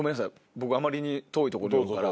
僕あまりに遠いとこにいるから。